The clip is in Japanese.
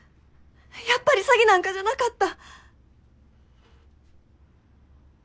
やっぱり詐欺なんかじゃなかった！